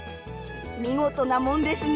見事なもんですね。